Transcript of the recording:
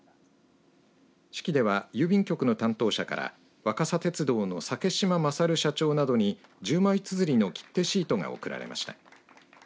式では郵便局の担当者から若桜鉄道の酒嶋優社長などに１０枚つづりの切手シートが贈られました。